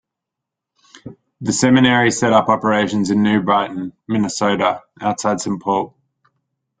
The seminary set up operations in New Brighton, Minnesota, outside Saint Paul.